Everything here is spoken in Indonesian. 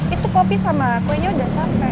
itu kopi sama kue nya udah sampai